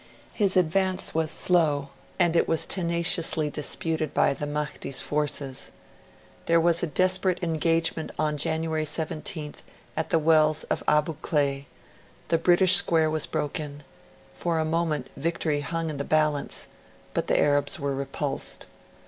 His advance was slow, and it was tenaciously disputed by, the Mahdi's forces. There was a desperate engagement on January 17th at the wells of Abu Klea; the British square was broken; for a moment victory hung in the balance; but the Arabs were repulsed.